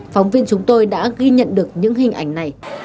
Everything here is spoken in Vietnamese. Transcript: phóng viên chúng tôi đã ghi nhận được những hình ảnh này